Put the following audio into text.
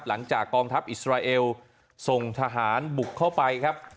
หลังจากกองทัพอิสราเอลส่งทหารบุกเข้าไปครับ